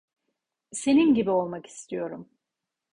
Senin gibi olmak istiyorum.